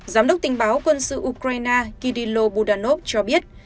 giám đốc tình báo quân sự ukraine kirill budanov cho biết